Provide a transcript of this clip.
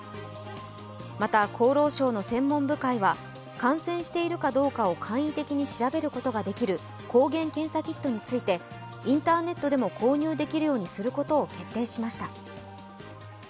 また厚労省の専門部会は感染しているかどうかを簡易的に調べることができる抗原検査キットについて、インターネットでも購入できるようにすることを決定しました。